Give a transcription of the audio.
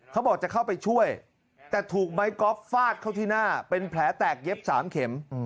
เขาบอกจะเข้าไปช่วยแต่ถูกไม้ก๊อฟฟาดเข้าที่หน้าเป็นแผลแตกเย็บ๓เข็ม